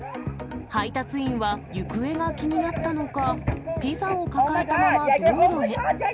配達員は、行方が気になったのか、ピザを抱えたまま道路へ。